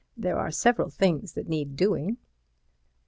There are several things that need doing."